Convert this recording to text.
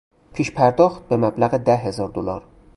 پیش پرداخت به مبلغ ده هزار دلار